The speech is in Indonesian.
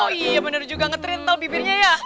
oh iya bener juga ngetrit tal bibirnya ya